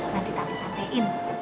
nanti tante sampaikan